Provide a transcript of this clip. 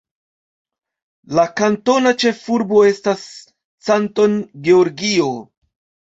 La kantona ĉefurbo estas Canton, Georgio.